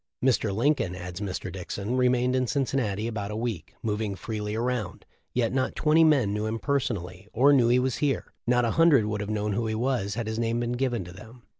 Mr. Lincoln," adds Mr. Dickson, "remained in Cin cinnati about a week, moving freely around, yet not twenty men knew him personally or knew he was here ; not a hundred would have known who he was had his name been given to them.